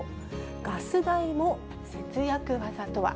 ガス代も節約技とは。